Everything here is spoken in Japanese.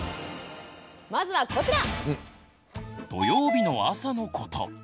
まずはこちら！